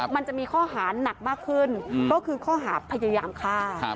มันจะมีข้อหาหนักมากขึ้นก็คือข้อหาพยายามฆ่า